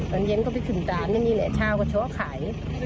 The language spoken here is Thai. ตอนเย็นก็ไปขึ้นตานไม่มีแหละชาวกระโชว์ไข่